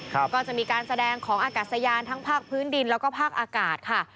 ก็จะมีการแสดงของอากาศยานทั้งภาคพื้นดินแล้วก็ภาคอากาศค่ะ